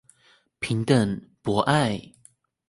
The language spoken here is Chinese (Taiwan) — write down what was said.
平等、博愛